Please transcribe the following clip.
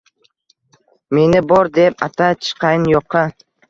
meni bor deb ata, chiqayin yo’qqa.